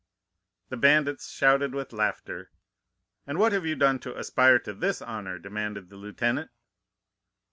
"The bandits shouted with laughter. "'And what have you done to aspire to this honor?' demanded the lieutenant.